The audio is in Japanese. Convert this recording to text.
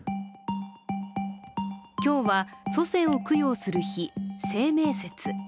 今日は、祖先を供養する日清明節。